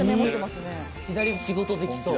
左仕事できそう。